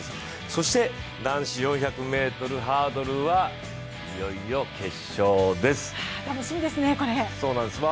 そして男子４００ｍハードルはいよいよ決勝です。